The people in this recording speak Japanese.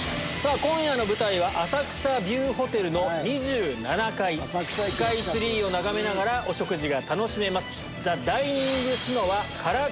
さぁ今夜の舞台は浅草ビューホテルの２７階スカイツリーを眺めながらお食事が楽しめます。